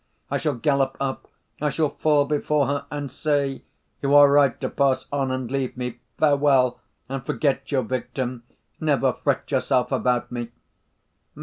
I shall gallop up, I shall fall before her and say, 'You are right to pass on and leave me. Farewell and forget your victim ... never fret yourself about me!